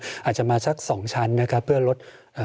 อาจจะมาสักสองชั้นนะครับเพื่อลดเอ่อ